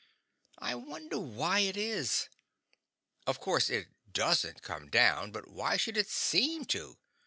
I wonder why it is? Of course it DOESN'T come down, but why should it SEEM to?